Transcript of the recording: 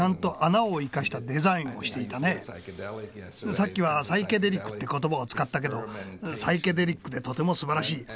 さっきはサイケデリックって言葉を使ったけどサイケデリックでとてもすばらしい。